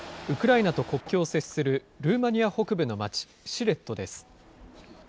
ウクライナと国境を接するルーマニア北部の町、シレットです。